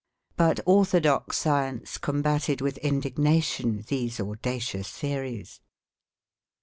But orthodox science combated with indignation these audacious theories.